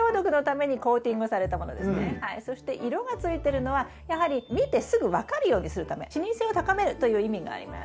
そして色がついてるのはやはり見てすぐ分かるようにするため視認性を高めるという意味があります。